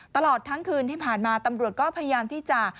ตลอดทั้งคืนที่ผ่านมาตำรวจก็พยายามที่จะ